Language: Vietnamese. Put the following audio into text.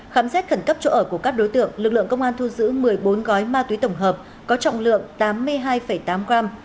khám xét khẩn cấp chỗ ở của các đối tượng lực lượng công an thu giữ một mươi bốn gói ma túy tổng hợp có trọng lượng tám mươi hai tám gram